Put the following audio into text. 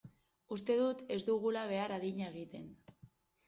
Uste dut ez dugula behar adina egiten.